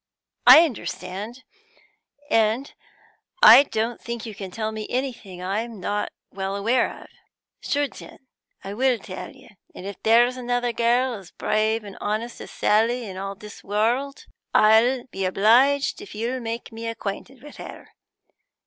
"I understand, and I don't think you can tell me anything I'm not well aware of." "Sure, then, I will tell you, and if there's another girl as brave and honest as Sally in all this worruld, I'll be obliged if you'll make me acquainted with her!